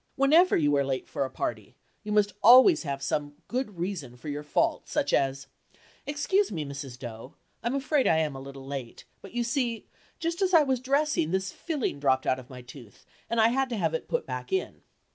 Whenever you are late for a party you must always have ready some good reason for your fault, such as, "Excuse me, Mrs. Doe, I'm afraid I am a little late, but you see, just as I was dressing, this filling dropped out of my tooth and I had to have it put back in."